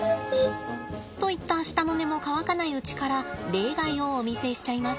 といった舌の根も乾かないうちから例外をお見せしちゃいます。